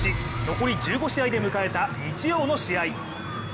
残り１５試合で迎えた日曜の試合。